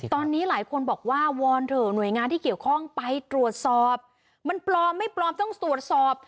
ตอนนี้หลายคนบอกว่าวอนเถอะหน่วยงานที่เกี่ยวข้องไปตรวจสอบมันปลอมไม่ปลอมต้องตรวจสอบ